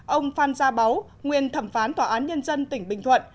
ông phan gia báu nguyên thẩm phán tòa án nhân dân tỉnh bình thuận